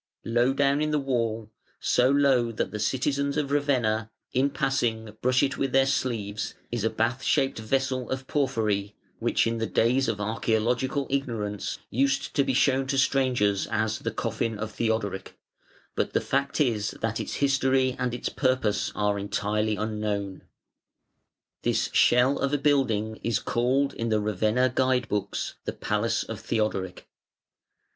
Low down in the wall, so low that the citizens of Ravenna, in passing, brush it with their sleeves, is a bath shaped vessel of porphyry, which in the days of archaeological ignorance used to be shown to strangers as "the coffin of Theodoric", but the fact is that its history and its purpose are entirely unknown. This shell of a building is called in the Ravenna Guide books "the Palace of Theodoric".